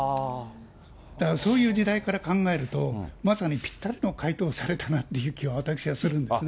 だからそういう時代から考えると、まさにぴったりの回答をされたなっていう気は私はするんですね。